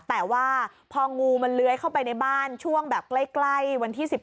แต่ว่าพองูมันเลื้อยเข้าไปในบ้านช่วงแบบใกล้วันที่๑๓